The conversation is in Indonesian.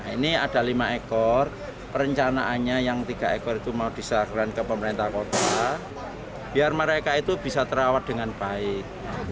ini ada lima ekor perencanaannya yang tiga ekor itu mau diserahkan ke pemerintah kota biar mereka itu bisa terawat dengan baik